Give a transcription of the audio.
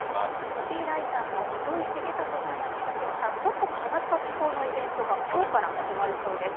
コピーライターの糸井重里さんが企画した、ちょっと変わった趣向のイベントがきょうから始まるそうです。